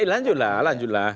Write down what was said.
ya lanjutlah lanjutlah